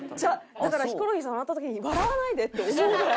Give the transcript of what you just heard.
だからヒコロヒーさん笑った時に「笑わないで！」って思うぐらい。